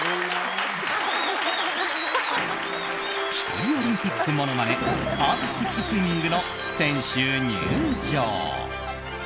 １人オリンピックものまねアーティスティックスイミングの選手入場。